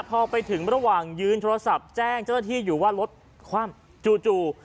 พอไปถึงระหว่างยืนโทรศัพท์แจ้งเจ้าหน้าที่อยู่ว่ารถคว่ำจู่